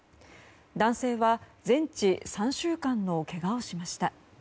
男性は全治３週間のけがをしました。